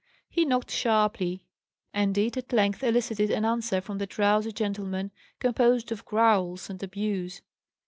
He knocked sharply; and it at length elicited an answer from the drowsy gentleman, composed of growls and abuse.